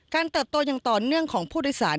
เติบโตอย่างต่อเนื่องของผู้โดยสาร